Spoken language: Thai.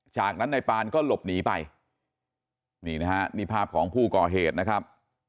จากนั้นนายปานก็หลบหนีไปนี่นะฮะนี่ภาพของผู้ก่อเหตุนะครับ